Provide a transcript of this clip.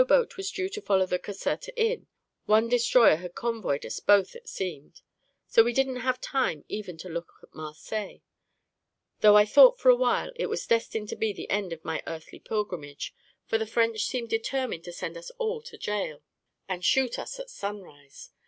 boat was due to follow the Caserta in —one destroyer had convoyed us both, it seemed — so we didn't have time even to look at Marseilles ; though I thought for a while it was destined to be the end of my earthly pilgrimage, for the French seemed determined to send us all to jail and shoot us at sunrise.